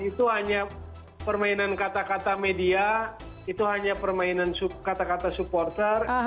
itu hanya permainan kata kata media itu hanya permainan kata kata supporter